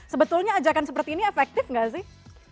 sebetulnya ajakan seperti ini efektif nggak sih